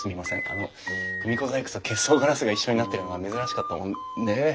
あの組子細工と結霜ガラスが一緒になってるのが珍しかったもんで。